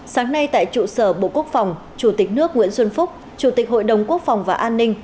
sáng nay tại trụ sở bộ quốc phòng chủ tịch nước nguyễn xuân phúc chủ tịch hội đồng quốc phòng và an ninh